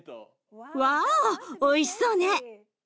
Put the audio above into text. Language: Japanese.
ワオおいしそうね！